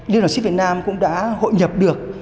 liên đoàn siếc việt nam cũng đã hội nhập được